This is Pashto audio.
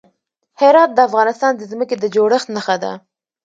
هرات د افغانستان د ځمکې د جوړښت نښه ده.